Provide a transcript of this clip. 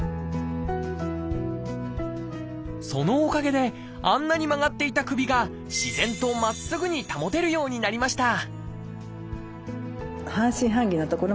そのおかげであんなに曲がっていた首が自然とまっすぐに保てるようになりました